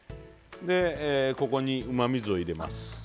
でここにうまみ酢を入れます。